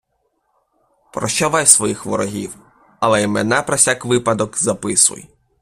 Прощавай своїх ворогів, але імена про всяк випадок записуй